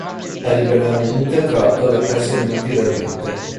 È liberamente tratto da casi avvenuti realmente.